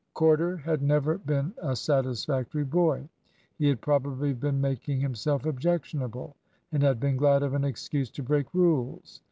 Corder had never been a satisfactory boy. He had probably been making himself objectionable, and had been glad of an excuse to break rules.